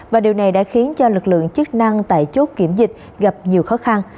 và điều này đã khiến cho lực lượng chức năng tại chốt kiểm dịch gặp nhiều khó khăn